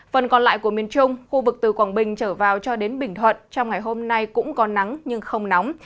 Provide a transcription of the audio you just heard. phần còn lại của miền trung khu vực từ quảng bình trở vào cho đến bình thuận trong ngày hôm nay cũng có nắng nhưng không nóng